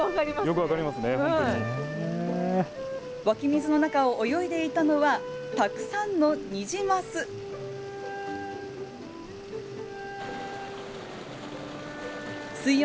湧き水の中を泳いでいたのは、たくさんのニジマス。